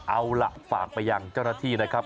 เอาล่ะฝากไปยังเจ้าหน้าที่นะครับ